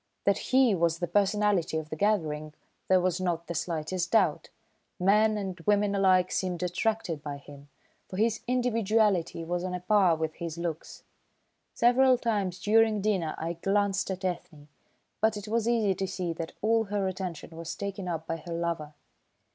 That he was the personality of the gathering there was not the slightest doubt. Men and women alike seemed attracted by him, for his individuality was on a par with his looks. Several times during dinner I glanced at Ethne, but it was easy to see that all her attention was taken up by her lover.